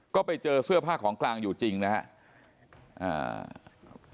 ก็ไปเจอเสื้อผ้าของกลางอยู่จริงนะครับ